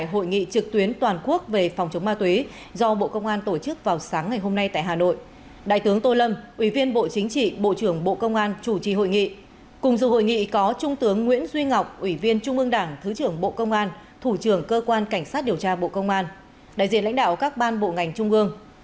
hội nghị có trung tướng nguyễn duy ngọc ủy viên trung ương đảng thứ trưởng bộ công an thủ trưởng cơ quan cảnh sát điều tra bộ công an đại diện lãnh đạo các ban bộ ngành trung ương